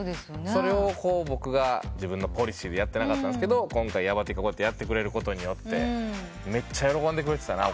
それを僕が自分のポリシーでやってなかったんですけど今回ヤバＴがこうやってやってくれることによってめっちゃ喜んでくれてたな。